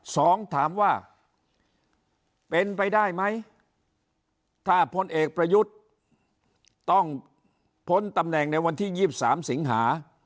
สองถามว่าเป็นไปได้ไหมถ้าพลเอกประยุทธ์ต้องพ้นตำแหน่งในวันที่๒๓สิงหา